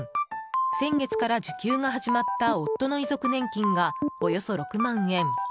先月から受給が始まった夫の遺族年金がおよそ６万円。